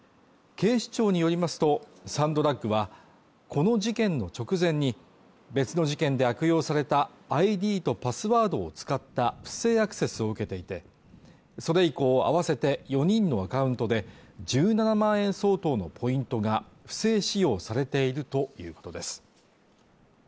警視庁によりますとサンドラッグはこの事件の直前に別の事件で悪用されたＩＤとパスワードを使った不正アクセスを受けていてそれ以降合わせて４人のアカウントで１７万円相当のポイントが不正使用されているということです